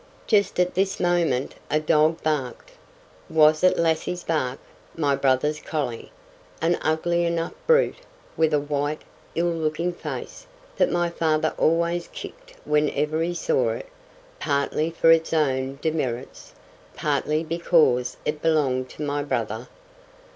Just at this moment a dog barked. Was it Lassie's bark—my brother's collie?—an ugly enough brute, with a white, ill looking face, that my father always kicked whenever he saw it, partly for its own demerits, partly because it belonged to my brother.